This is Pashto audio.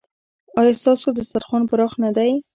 ایا ستاسو دسترخوان پراخ نه دی؟